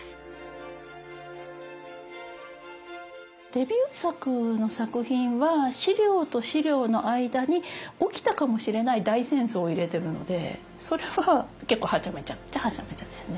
デビュー作の作品は資料と資料の間に起きたかもしれない大戦争を入れてるのでそれは結構はちゃめちゃっちゃはちゃめちゃですね。